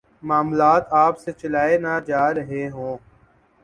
معاملات آپ سے چلائے نہ جا رہے ہوں۔